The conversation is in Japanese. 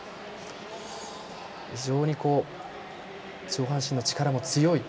非常に上半身の力も強い。